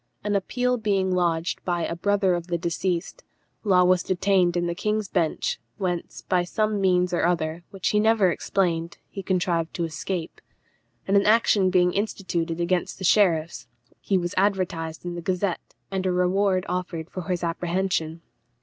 An appeal being lodged by a brother of the deceased, Law was detained in the King's Bench, whence, by some means or other, which he never explained, he contrived to escape; and an action being instituted against the sheriffs, he was advertised in the Gazette, and a reward offered for his apprehension.